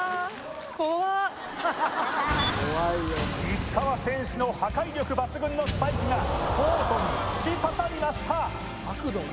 石川選手の破壊力抜群のスパイクがコートに突き刺さりました